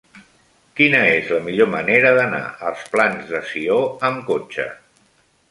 Quina és la millor manera d'anar als Plans de Sió amb cotxe?